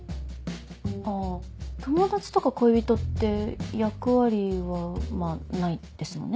あぁ友達とか恋人って役割はまぁないですもんね。